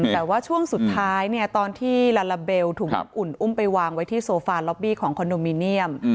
แต่ว่าช่วงสุดท้ายเนี่ยตอนที่ลาลาเบลถูกน้ำอุ่นอุ้มไปวางไว้ที่โซฟาล็อบบี้ของคอนโดมิเนียม